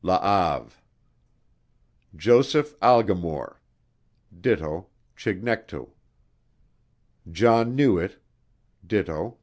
La Have, Joseph Algimoure, do. Chignectou, John Newit, do.